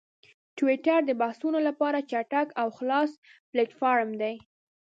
ټویټر د بحثونو لپاره چټک او خلاص پلیټفارم دی.